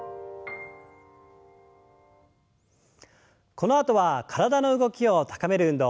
このあとは体の動きを高める運動。